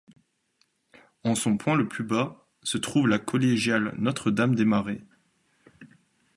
En son point le plus bas, se trouve la Collégiale Notre-Dame-des-Marais.